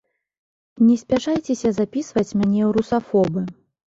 Не спяшайцеся запісваць мяне у русафобы.